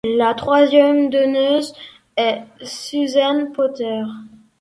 La troisième donneuse est Susan Potter.